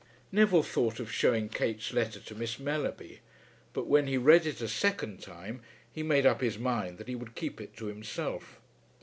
Neville thought of showing Kate's letter to Miss Mellerby, but when he read it a second time he made up his mind that he would keep it to himself.